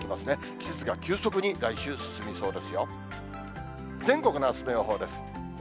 季節が急速に来週、進みそうですよ。